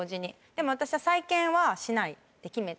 でも私は再建はしないって決めて。